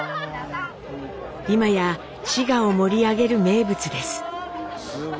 今や滋賀を盛り上げる名物です。